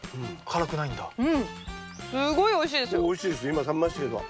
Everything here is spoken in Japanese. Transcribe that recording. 今食べましたけど。